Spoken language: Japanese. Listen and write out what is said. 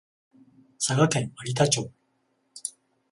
佐賀県有田町